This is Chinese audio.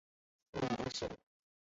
母詹氏。